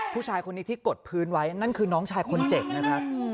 ผู้ชายคนนี้ที่กดพื้นไว้นั่นคือน้องชายคนเจ็บนะครับ